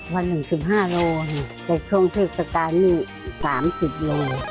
วันหนึ่ง๑๕โลแต่ช่วงเทศกาลนี่๓๐โล